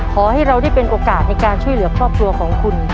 ขอให้เราได้เป็นโอกาสในการช่วยเหลือครอบครัวของคุณ